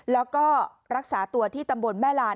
แล้วก็รักษาตัวที่ตำบลแม่ลาน